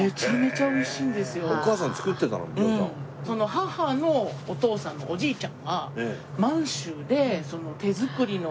母のお父さんのおじいちゃんが。